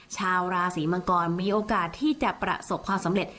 ชาวราศีมังกรมีโอกาสที่จะประสบความสำเร็จ